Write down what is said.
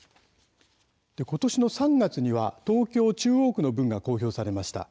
ことし３月には東京・中央区の分が公表されました。